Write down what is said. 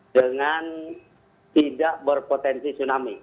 dengan tidak berpotensi tsunami